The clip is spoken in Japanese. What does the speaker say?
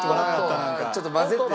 ああちょっと混ぜてね。